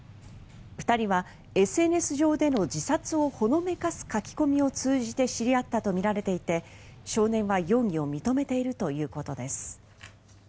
２人はＳＮＳ上での自殺をほのめかす書き込みを通じて知り合ったとみられていて少年は容疑を認めているということです。